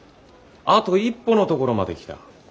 あと一歩のところまで来た。